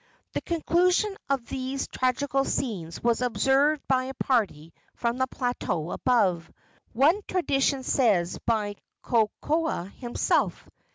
The conclusion of these tragical scenes was observed by a party from the plateau above one tradition says by Kokoa himself.